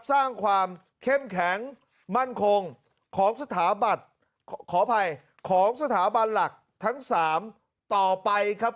สร้างความเข้มแข็งมั่นคงของสถาบันขออภัยของสถาบันหลักทั้ง๓ต่อไปครับ